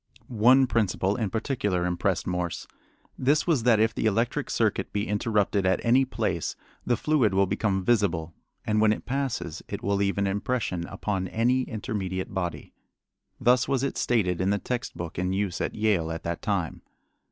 One principle in particular impressed Morse. This was that "if the electric circuit be interrupted at any place the fluid will become visible, and when it passes it will leave an impression upon any intermediate body." Thus was it stated in the text book in use at Yale at that time.